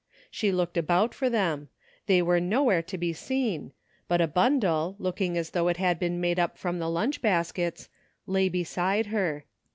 She looked about for them ; they were nowhere to be seen, but a bundle, looking as though it had been made up from the lunch baskets, lay be side her.